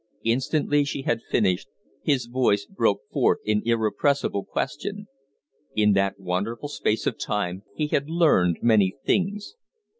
Instantly she had finished his voice broke forth in irrepressible question. In that wonderful space of time he had learned many things.